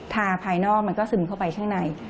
ภายนอกมันก็ซึมเข้าไปข้างใน